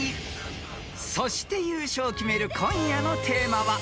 ［そして優勝を決める今夜のテーマは］